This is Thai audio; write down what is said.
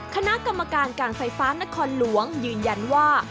คณะกรรมการการไฟฟ้านครหลวงยืนยันว่า